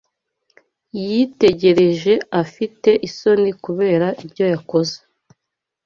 Yitegereje afite isoni kubera ibyo yakoze.